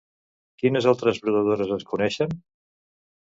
Quines altres brodadores es coneixen?